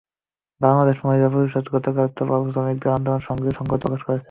বাংলাদেশ মহিলা পরিষদ গতকাল তোবার শ্রমিকদের আন্দোলনের সঙ্গে সংহতি প্রকাশ করেছে।